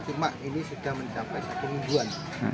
cuma ini sudah mencapai satu mingguan